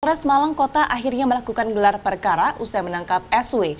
polres malang kota akhirnya melakukan gelar perkara usai menangkap sw